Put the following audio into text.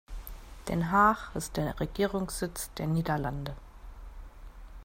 Den Haag ist der Regierungssitz der Niederlande.